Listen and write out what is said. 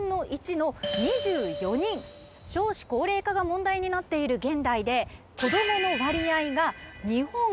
少子高齢化が問題になっている現代で。